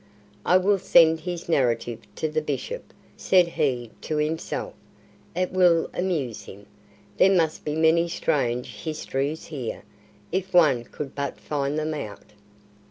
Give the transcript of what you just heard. "I will send his narrative to the Bishop," said he to himself. "It will amuse him. There must be many strange histories here, if one could but find them out."